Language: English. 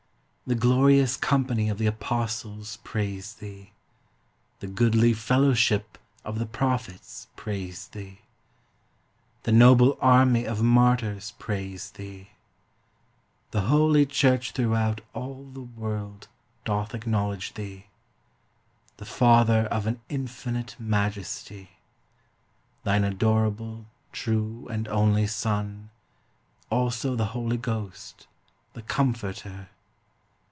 The glorious company of the Apostles praise thee. The goodly fellowship of the Prophets praise thee. The noble army of Martyrs praise thee. The holy Church throughout all the world doth acknowledge thee; The Father of an infinite Majesty; Thine adorable, true, and only Son; Also the Holy Ghost, the Comforter.